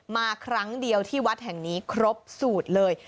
มาครั้งเดียวที่วัดแห่งนี้ครบสูตรเลย